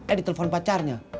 eh di telpon pacarnya